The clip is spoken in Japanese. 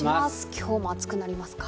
今日も暑くなりますか？